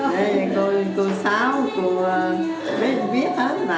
cậu yen không pontoon